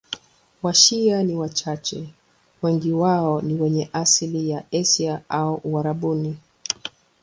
Washia ni wachache, wengi wao ni wenye asili ya Asia au Uarabuni.